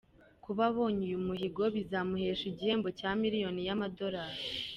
Kuba abonye uyu muhigo bizamuhesha igihembo cya miliyoni y’amadolari.